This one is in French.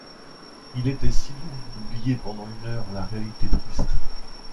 Il était si doux d’oublier pendant une heure la réalité triste!